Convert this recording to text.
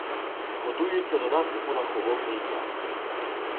Готуються до наступу на Холодний Яр.